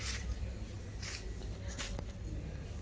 จำมันใจต่างในกล้อง